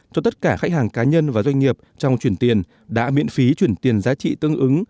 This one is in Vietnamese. cho tất cả khách hàng cá nhân và doanh nghiệp trong chuyển tiền đã miễn phí chuyển tiền giá trị tương ứng